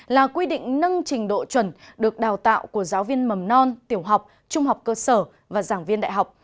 là quy định nâng trình độ chuẩn được đào tạo của giáo viên mầm non tiểu học trung học cơ sở và giảng viên đại học